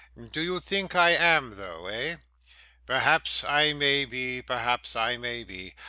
Do you think I am though, eh? Perhaps I may be, perhaps I may be.